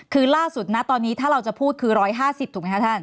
คือล่าสุดนะตอนนี้ถ้าเราจะพูดคือ๑๕๐ถูกไหมคะท่าน